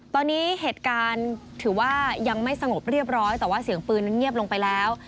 ตอนนี้เหตุการณ์ถือว่ายังไม่สงบเรียบร้อยแต่ว่าเสียงปืนนั้นเงียบลงไปแล้ว